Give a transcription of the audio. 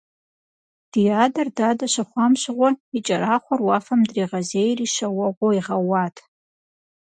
Ди адэр дадэ щыхъуам щыгъуэ, и кӏэрахъуэр уафэм дригъэзейри щэ уэгъуэ игъэуат.